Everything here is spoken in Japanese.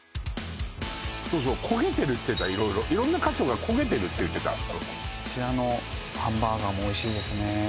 そうそう焦げてるって言ってた色々色んな箇所が焦げてるって言ってたこちらのハンバーガーもおいしいですね